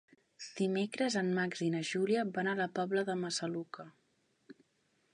Dimecres en Max i na Júlia van a la Pobla de Massaluca.